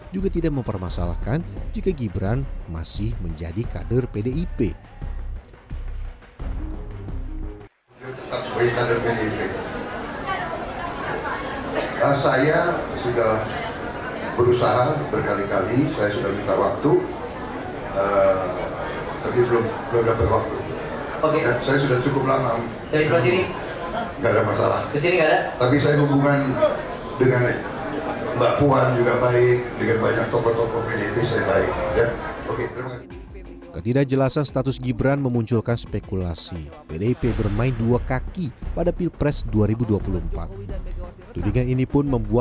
juga tidak mempermasalahkan jika gibran masih menjadi kader pdip